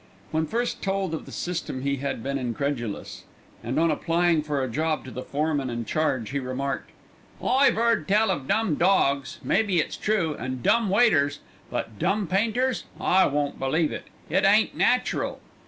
When first told of the system he had been incredulous, and on applying for a job to the foreman in charge he remarked: "I've 'eard tell of dumb dawgs, mebbe it's true, and dumb waiters; but dumb painters I won't believe it it ain't natural."